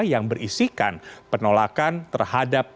yang berisikan penolakan terhadap u dua puluh dua ribu dua puluh tiga